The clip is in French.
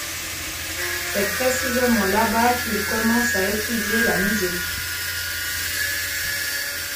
C'est précisément là-bas qu'il commence à étudier la musique.